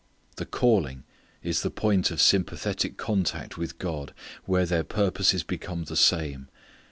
The calling is the point of sympathetic contact with God where their purposes become the same.